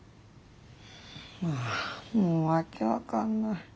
あもう訳分かんない。